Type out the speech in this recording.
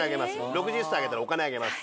６０歳になったらお金あげます。